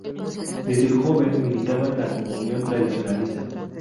Desde joven militaba en la Comunión Tradicionalista.